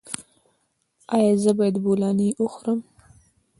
ایا زه باید بولاني وخورم؟